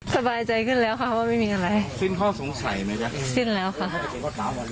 สบายใจขึ้นแล้วค่ะว่าไม่มีอะไรสิ้นข้อสงสัยไหมจ๊คสิ้นแล้วค่ะ